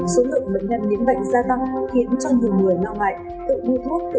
số lượng bệnh nhân nhiễm bệnh gia tăng khiến cho nhiều người lo ngại đã tự mua thuốc